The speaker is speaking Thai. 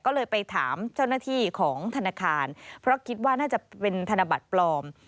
ก็เลยไปถามเจ้าหน้าที่ของธนาคารเพราะคิดว่าน่าจะเป็นธนบัตรปลอม